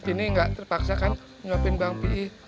tini nggak terpaksa kan nyuapin bang pih